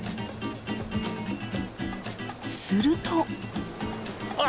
すると！